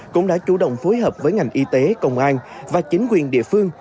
cũng đã chủ động phối hợp với ngành y tế công an và chính quyền địa phương